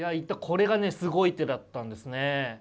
これがねすごい手だったんですね。